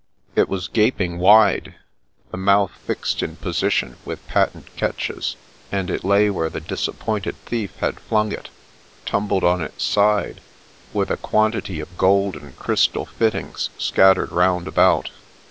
It was gaping wide, the mouth fixed in posi tion with patent catches, and it lay where the disap pointed thief had flung it, tumbled on its side, with a quantity of gold and crystal fittings scattered round about.